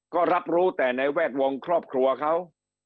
ก็รับรู้แต่ในแวดวงครอบครัวเขา